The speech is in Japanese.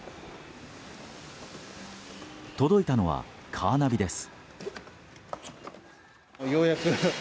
届いたのは、カーナビです。